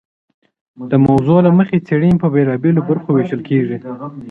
د موضوع له مخي څېړني په بیلابیلو برخو ویشل کیږي.